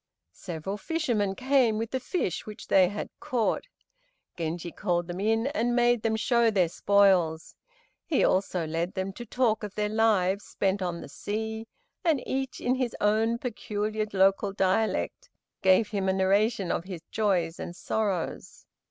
Several fishermen came with the fish which they had caught. Genji called them in and made them show their spoils. He also led them to talk of their lives spent on the sea, and each in his own peculiar local dialect gave him a narration of his joys and sorrows.